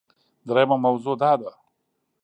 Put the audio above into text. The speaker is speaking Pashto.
دریمه موضوع دا ده